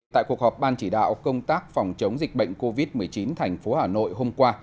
tại cuộc họp ban chỉ đạo công tác phòng chống dịch bệnh covid một mươi chín thành phố hà nội hôm qua